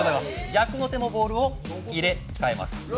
逆の手のボールも入れ替えます。